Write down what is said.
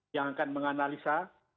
yang akan menganalisa